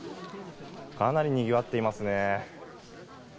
かなりにぎわっていますね。